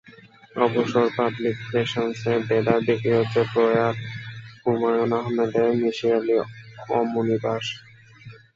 অবসর পাবলিকেশনসে দেদার বিক্রি হচ্ছে প্রয়াত হুখমায়ূন আহমেদের মিসির আলি অমনিবাস।